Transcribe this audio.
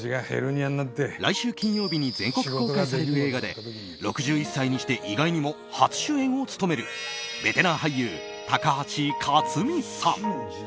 来週金曜日に全国公開される映画で６１歳にして意外にも初主演を務めるベテラン俳優・高橋克実さん。